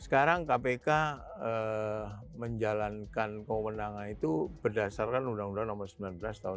sekarang kpk menjalankan kewenangan itu berdasarkan undang undang nomor sembilan belas tahun dua ribu